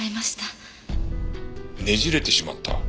ねじれてしまった？